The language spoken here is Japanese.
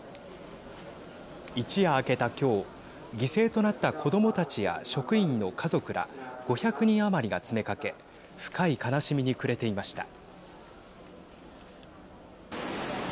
一夜明けた今日犠牲となった子どもたちや職員の家族ら５００人余りが詰めかけ深い悲しみに暮れていました。